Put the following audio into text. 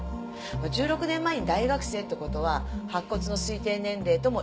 １６年前に大学生って事は白骨の推定年齢とも一致する。